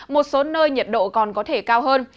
một số nơi nhiệt độ còn có thể cao hơn